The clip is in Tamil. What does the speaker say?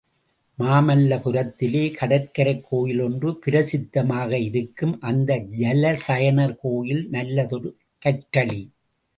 மாமல்லபுரத்திலே கடற்கரைக் கோயில் ஒன்று பிரசித்தமாக இருக்கும், அந்த ஜலசயனர் கோயில் நல்லதொரு கற்றளி.